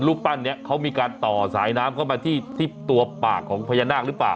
รูปปั้นนี้เขามีการต่อสายน้ำเข้ามาที่ตัวปากของพญานาคหรือเปล่า